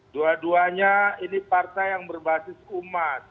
dua duanya ini partai yang berbasis umat